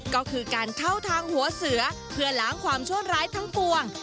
ก็คือการเข้าทางหัวเสือเพื่อล้างความชั่วร้ายทั้งปวง